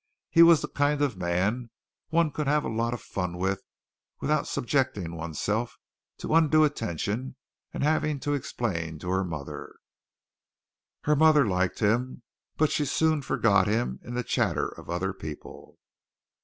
He was the kind of man one could have lots of fun with without subjecting one's self to undue attention and having to explain to her mother. Her mother liked him. But she soon forgot him in the chatter of other people.